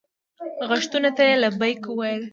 غوښتنو ته یې لبیک وویل.